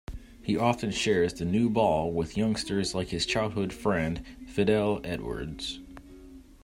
He often shares the new ball with youngsters like his childhood friend Fidel Edwards.